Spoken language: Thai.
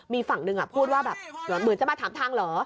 มีฝั่งหนึ่งพูดว่าแบบเหมือนจะมาถามทางเหรอ